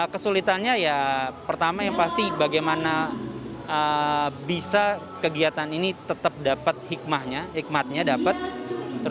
kesulitannya pertama yang pasti bagaimana bisa kegiatan ini tetap dapat hikmat